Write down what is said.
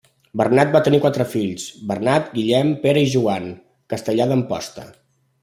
Bernat va tenir quatre fills, Bernat, Guillem, Pere i Joan, castellà d'Amposta.